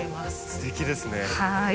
すてきですね。